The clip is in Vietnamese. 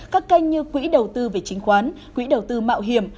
các kênh như quỹ đầu tư về chính khoán quỹ đầu tư mạo hiểm